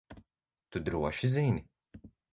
Tu droši zini?